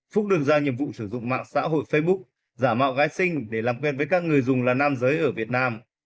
phúc được ra nhiệm vụ sử dụng mạng xã hội facebook giả mạo gái sinh để làm quen với các người dùng là nam giới ở việt nam